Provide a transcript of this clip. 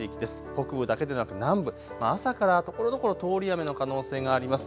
北部だけでなく南部、朝からところどころ通り雨の可能性があります。